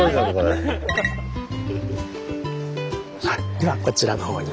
ではこちらのほうに。